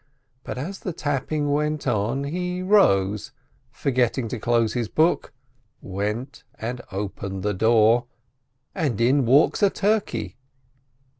But as the tapping went on, be rose, forget ting to dose bis book, went and opened the door — and in walks a turkey.